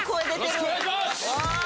よろしくお願いします！